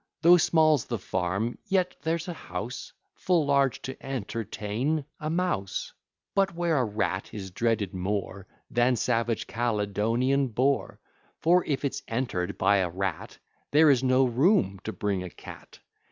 Though small's the farm, yet here's a house Full large to entertain a mouse; But where a rat is dreaded more Than savage Caledonian boar; For, if it's enter'd by a rat, There is no room to bring a cat.